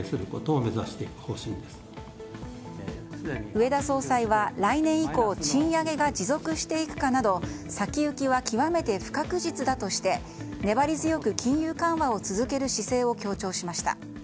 植田総裁は来年以降賃上げが持続していくかなど先行きは極めて不確実だとして粘り強く金融緩和を続ける姿勢を強調しました。